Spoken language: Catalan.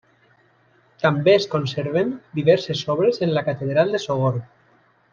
També es conserven diverses obres en la Catedral de Sogorb.